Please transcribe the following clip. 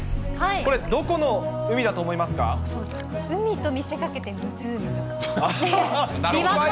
これ、海と見せかけて、湖とか。